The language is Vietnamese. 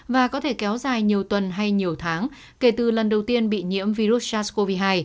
và có thể kéo dài nhiều tuần hay nhiều tháng kể từ lần đầu tiên bị nhiễm virus sars cov hai